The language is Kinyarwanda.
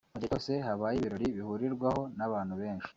mu gihe cyose habaye ibirori bihurirwaho n’abantu benshi